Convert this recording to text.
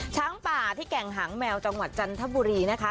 ช้างป่าที่แก่งหางแมวจังหวัดจันทบุรีนะคะ